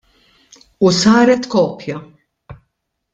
U saret kopja.